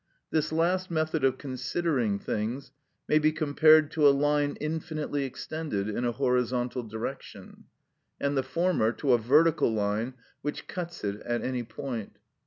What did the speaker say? This last method of considering things may be compared to a line infinitely extended in a horizontal direction, and the former to a vertical line which cuts it at any point.